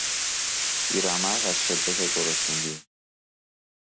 بیرمق از شدت گرسنگی